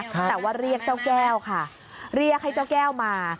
แต่ว่าเรียกเจ้าแก้วค่ะเรียกให้เจ้าแก้วมา